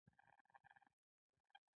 افغانستان کې د پسرلی د پرمختګ هڅې روانې دي.